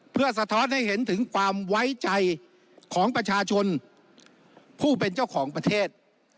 เพื่อสะท้อนให้เห็นถึงความไว้ใจของประชาชนผู้เป็นเจ้าของประเทศ